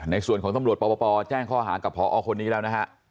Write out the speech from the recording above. ในส่วนของตำรวจปปแจ้งข้อหากับพอคนนี้แล้วนะฮะ